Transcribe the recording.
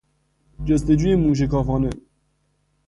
جستجوی موشکافانه